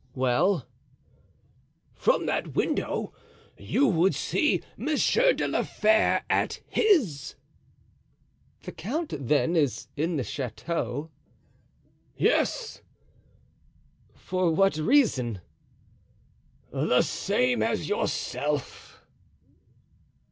"Well?" "From that window you would see Monsieur de la Fere at his." "The count, then, is in the chateau?" "Yes." "For what reason?" "The same as yourself."